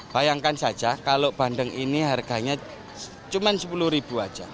bayangkan saja kalau bandeng ini harganya cuma rp sepuluh saja